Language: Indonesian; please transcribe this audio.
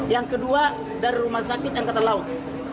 yang kedua dari rumah sakit angkatan laut